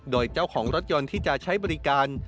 โดยเจ้าของรถยนต์ที่จะใช้บริการ